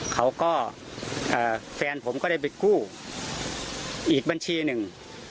แฟนผมก็ได้ไปกู้อีกบัญชีหนึ่ง